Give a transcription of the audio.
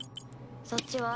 そっちは？